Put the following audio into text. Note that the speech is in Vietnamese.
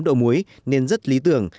tám độ muối nên rất lý tưởng